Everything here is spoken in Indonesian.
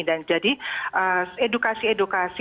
dan jadi edukasi edukasi